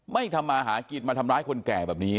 ไม่ทำมาหากินมาทำร้ายคนแก่แบบนี้